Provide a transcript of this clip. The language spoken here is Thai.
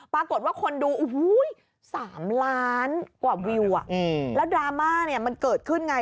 ปรากฏว่าคนดู๓ล้านกว่าวิวแล้วดราม่าเนี่ยมันเกิดขึ้นไง